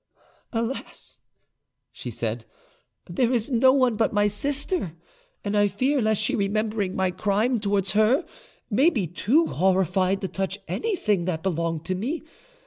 "Alas!" she said, "there is no one but my sister; and I fear lest she, remembering my crime towards her, may be too horrified to touch anything that belonged to me.